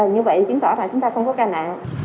như vậy chứng tỏ là chúng ta không có ca nạn